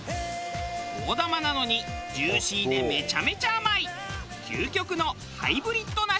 大玉なのにジューシーでめちゃめちゃ甘い究極のハイブリッド梨。